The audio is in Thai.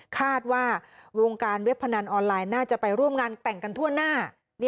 คาดว่าวงการเว็บพนันออนไลน์น่าจะไปร่วมงานแต่งกันทั่วหน้า